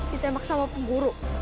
ditembak sama pemburu